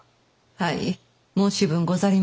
はい申し分ござりませぬ。